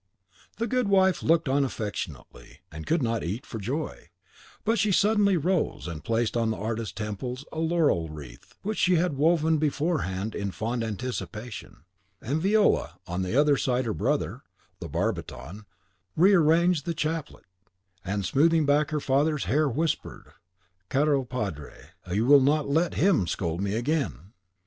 The good wife looked on affectionately, and could not eat for joy; but suddenly she rose, and placed on the artist's temples a laurel wreath, which she had woven beforehand in fond anticipation; and Viola, on the other side her brother, the barbiton, rearranged the chaplet, and, smoothing back her father's hair, whispered, "Caro Padre, you will not let HIM scold me again!"